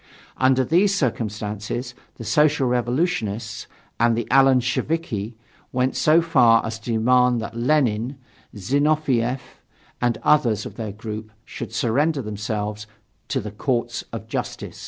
Under these circumstances, the Social Revolutionsts and the Alensheviki went so far as to demand that Lenin, Zinoviev and others of their group should surrender themselves to the "Courts of Justice."